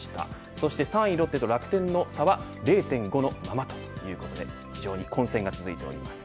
そして３位ロッテと楽天の差は０．５のままということで非常に混戦が続いております。